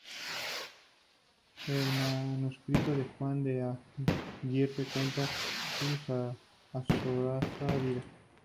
El manuscrito de Juan de Aguirre cuenta su azarosa vida.